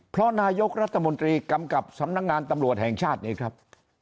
เพราะนายกรัฐมนตรีกำกับสำนักงานตำรวจแห่งชาตินี่ครับ